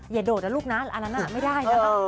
อย่าโดดละลูกนะอันนั้นอ่ะไม่ได้นะคะ